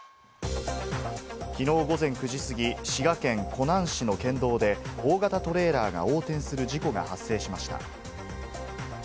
きのう午前９時すぎ、滋賀県湖南市の県道で大型トレーラーが横転する事故が発生しました。